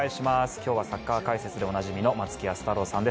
今日はサッカー解説でおなじみの松木安太郎さんです。